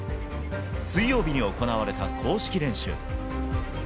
水曜日に行われた公式練習。